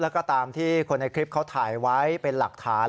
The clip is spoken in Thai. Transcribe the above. แล้วก็ตามที่คนในคลิปเขาถ่ายไว้เป็นหลักฐาน